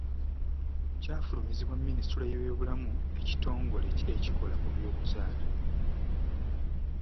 Kyafulumizibwa Ministule y'Ebyobulamu Ekitongole ekikola ku byokuzaala